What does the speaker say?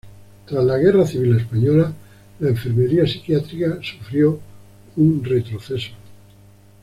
Tras la Guerra Civil Española, la enfermería psiquiátrica sufrió un retroceso.